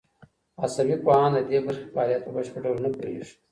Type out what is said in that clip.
عصبي پوهان د دې برخې فعالیت په بشپړ ډول نه پوهېږي.